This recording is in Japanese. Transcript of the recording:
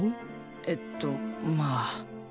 えっとまあ